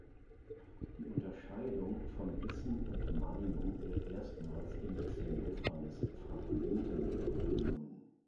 Die Unterscheidung von Wissen und Meinung wird erstmals in Xenophanes’ "Fragmenten" vorgenommen.